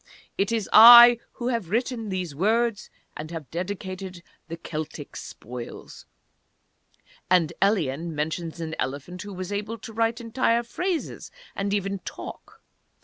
"It is I who have written these words, and have dedicated the Celtic Spoils" And Elien mentions an elephant who was able to write entire phrases, and even talk.